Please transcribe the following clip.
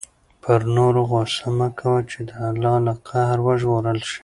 پر نورو غصه مه کوه چې د الله له قهر وژغورل شې.